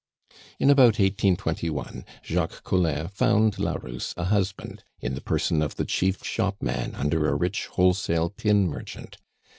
In about 1821 Jacques Collin found la Rousse a husband in the person of the chief shopman under a rich wholesale tin merchant.